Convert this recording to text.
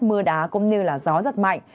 mưa đá cũng như gió rất mạnh